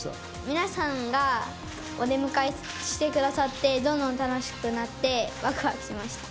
皆さんがお出迎えしてくださって、どんどん楽しくなって、わくわくしました。